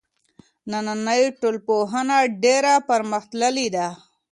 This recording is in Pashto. نننۍ ټولنپوهنه ډېره پرمختللې ده.